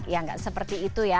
ya nggak seperti itu ya